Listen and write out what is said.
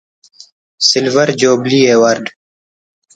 silver jubilee award